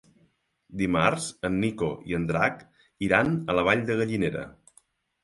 Dimarts en Nico i en Drac iran a la Vall de Gallinera.